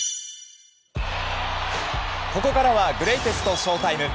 ここからはグレイテストＳＨＯ‐ＴＩＭＥ。